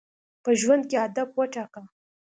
په ژوند کي هدف وټاکه.